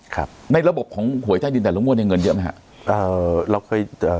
ครับในระบบของหวยใต้ดินแต่ละงวดเนี้ยเงินเยอะไหมฮะเอ่อเราเคยเอ่อ